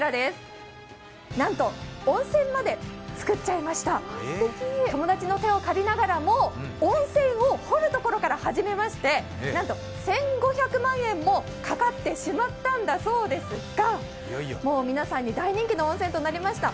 なんと、温泉まで作っちゃいました友達の手を借りながらも温泉を掘るところから始めまして、なんと１５００万円もかかってしまったんだそうですが皆さんに大人気の温泉となりました。